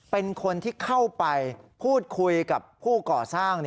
เป็นคนที่เข้าไปพูดคุยกับผู้ก่อสร้าง